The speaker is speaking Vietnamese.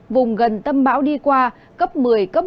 vùng gần tâm bão đi qua cấp một mươi cấp một mươi